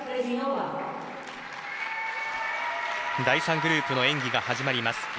第３グループの演技が始まります。